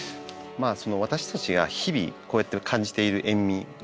私たちが日々こうやって感じている塩味